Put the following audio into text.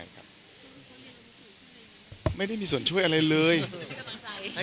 ของขวัญรับปริญญาต้องรอวันรับปริญญา